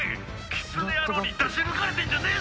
キツネ野郎に出し抜かれてんじゃねえぞ！